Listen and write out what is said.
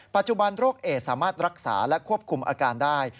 ปัจจุบันโรคเอดสามารถรักษาและควบคุมอาการได้